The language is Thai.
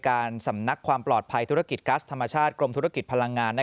สำนักความปลอดภัยธุรกิจกัสธรรมชาติกรมธุรกิจพลังงาน